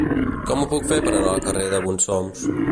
Com ho puc fer per anar al carrer de Bonsoms?